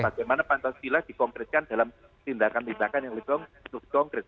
karena bagaimana pancasila dikonkretkan dalam tindakan tindakan yang lebih konkret